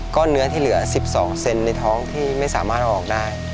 ก็เนื้อที่เหลือ๑๒เซนในท้องที่ไม่สามารถออกได้